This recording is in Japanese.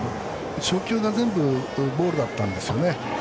初球が全部ボールだったんですよね。